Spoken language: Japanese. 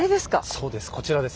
そうですこちらです。